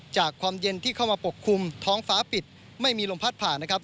ความเย็นที่เข้ามาปกคลุมท้องฟ้าปิดไม่มีลมพัดผ่านนะครับ